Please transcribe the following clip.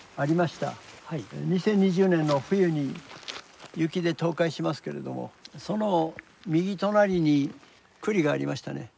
２０２０年の冬に雪で倒壊しますけれどもその右隣に庫裏がありましたね。